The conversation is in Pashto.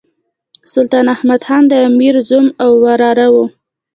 سلطان احمد خان د امیر زوم او وراره وو.